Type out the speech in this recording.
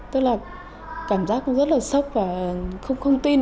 tức là cảm giác cũng rất là sốc và không tin